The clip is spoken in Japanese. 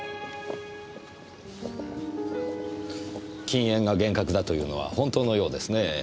禁煙が厳格だというのは本当のようですねぇ。